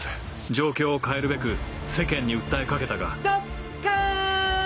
状況を変えるべく世間に訴え掛けたがドッカン！